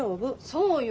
そうよ。